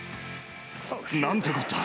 なんてこった。